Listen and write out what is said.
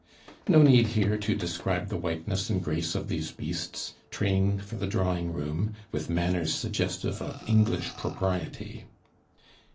No need here to describe the whiteness and grace of these beasts, trained for the drawing room, with manners suggestive of English propriety.